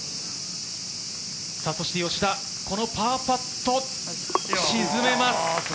そして吉田、このパーパットを沈めます。